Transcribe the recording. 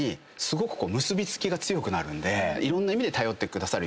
いろんな意味で頼ってくださる。